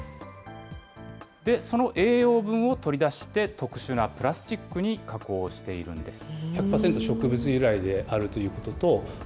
その栄養分を取り出して、特殊なプラスチックに加工しているんです。